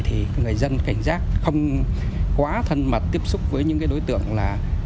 thì người dân cảnh giác không quá thân mặt tiếp xúc với những đối tượng là